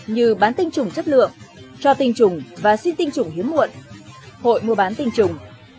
như bán tinh trùng chất lượng cho tinh trùng và xin tinh chủng hiếm muộn hội mua bán tinh trùng